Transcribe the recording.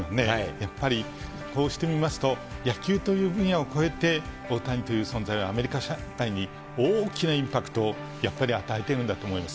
やっぱりこうして見ますと、野球という分野を超えて、大谷という存在はアメリカ社会に大きなインパクトを、やっぱり与えてるんだと思います。